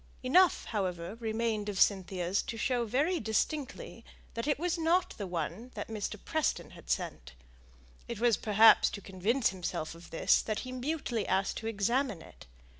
Enough, however, remained of Cynthia's to show very distinctly that it was not the one Mr. Preston had sent; and it was perhaps to convince himself of this, that he rudely asked to examine it.